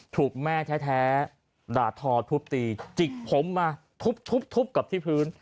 ถูกแม่แท้ด่าทอทุบตีจิกผมมาทุบกับที่พื้น